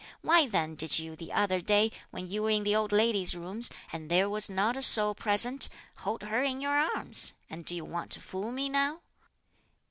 why then did you the other day, when you were in the old lady's rooms, and there was not a soul present, hold her in your arms? and do you want to fool me now